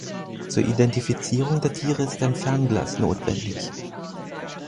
Zur Identifizierung der Tiere ist ein Fernglas notwendig.